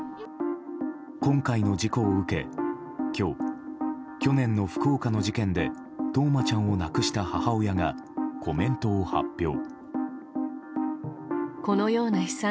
今回の事故を受け今日、去年の福岡の事件で冬生ちゃんを亡くした母親がコメントを発表。